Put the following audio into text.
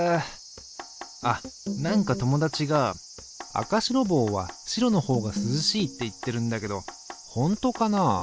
あっ何か友達が赤白帽は白のほうが涼しいって言ってるんだけどほんとかな。